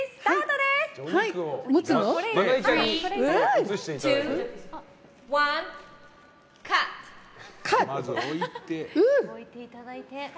まず置いていただいて。